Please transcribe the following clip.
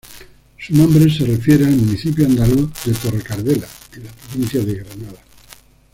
Su nombre se refiere al municipio andaluz de Torre-Cardela, en la provincia de Granada.